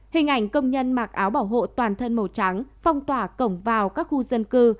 hình ảnh công nhân mặc áo bảo hộ toàn thân màu trắng phong tỏa cổng vào các khu dân cư